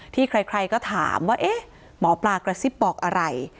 ที่ใครก็ถามว่าเอ๊ะหมอปลากระซิบบอกอะไร